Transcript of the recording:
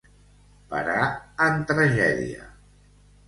Parar en tragèdia.